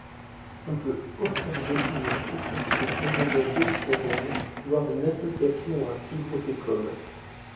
On peut observer une sécrétion endogène d'œstrogène voire une association à un fibrothécome.